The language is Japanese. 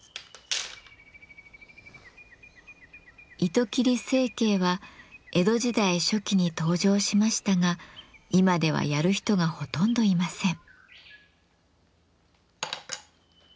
糸切り成形は江戸時代初期に登場しましたが今ではやる人がほとんどいません。